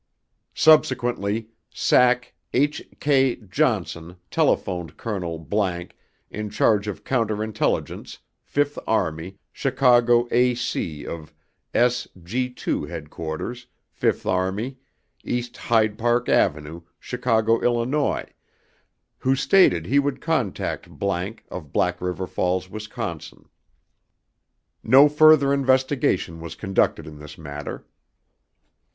Subsequently, SAC H. K. JOHNSON telephoned Colonel ____ in charge of Counter Intelligence, Fifth Army, Chicago AC of S G 2 Headquarters Fifth Army, East Hyde Park Avenue, Chicago, Illinois, who stated he would contact ____ of Black River Falls, Wisconsin. No further investigation was conducted in this matter.